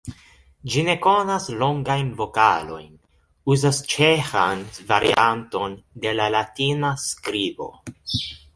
Ĝi ne konas longajn vokalojn, uzas ĉeĥan varianton de la latina skribo.